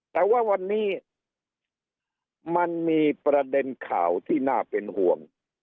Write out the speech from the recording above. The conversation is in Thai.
แต่ว่าวันนี้มันมีประเด็นข่าวที่น่าเป็นห่วง